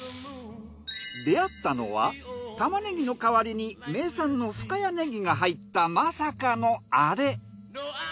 出会ったのはタマネギの代わりに名産の深谷ねぎが入ったまさかのあれ！